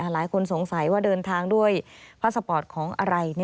หลายคนสงสัยว่าเดินทางด้วยพาสปอร์ตของอะไร